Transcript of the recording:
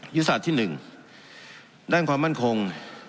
ยุทธศาสตร์ที่๑ด้านความมั่นคง